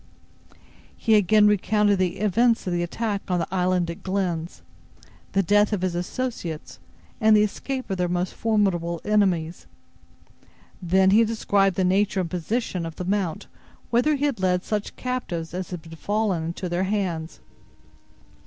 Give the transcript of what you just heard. He again recounted the events of the attack on the island at Glenn's, the death of his associates and the escape of their most formidable enemies. Then he described the nature and position of the mount whither he had led such captives as had fallen into their hands.